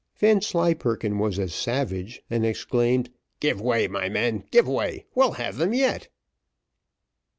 Vanslyperken was as savage, and exclaimed, "Give way, my men, give way; we'll have them yet."